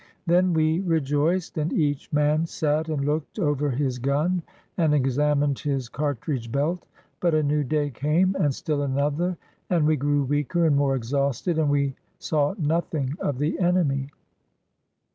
Then we rejoiced and each man sat and looked over his gun and examined his car tridge belt. But a new day came and still another, and we grew weaker and more exhausted, and we saw nothing of the enemy.